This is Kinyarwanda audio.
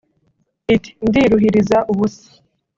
Iti “Ndiruhiriza ubusa